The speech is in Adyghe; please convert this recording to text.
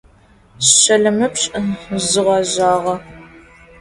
Şelemipş' zğezjağe.